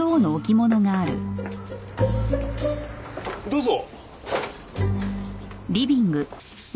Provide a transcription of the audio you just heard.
どうぞ。